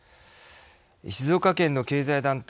静岡県の経済団体